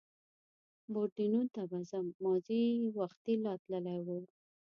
پورډېنون ته به ځم، مازې یې وختي لا تللي و.